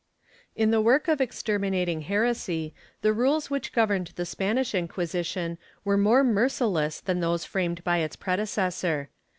^ In the work of exterminating heresy, the rules which governed the Spanish Inquisition were more merciless than those framed by its predecessor.